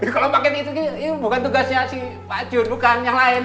kalau paket itu sih bukan tugasnya si pak jur bukan yang lain